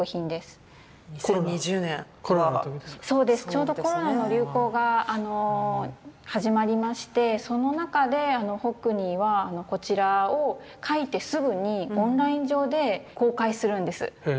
ちょうどコロナの流行が始まりましてその中でホックニーはこちらを描いてすぐにオンライン上で公開するんです。